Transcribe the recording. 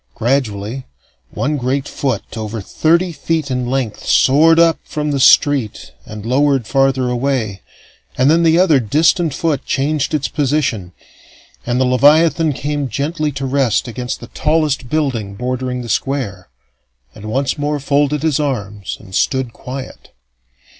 Gradually, one great foot, over thirty feet in length, soared up from the street and lowered farther away, and then the other distant foot changed its position; and the leviathan came gently to rest against the tallest building bordering the Square, and once more folded his arms and stood quiet.